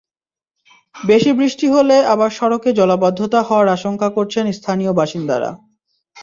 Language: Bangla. বেশি বৃষ্টি হলে আবার সড়কে জলাবদ্ধতা হওয়ার আশঙ্কা করছেন স্থানীয় বাসিন্দারা।